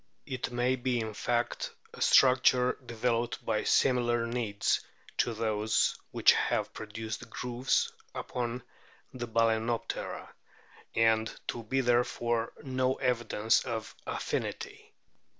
It may be in fact a structure developed by similar needs to those which have produced the grooves upon the Bal&noptera, and to be therefore no evidence of affinity.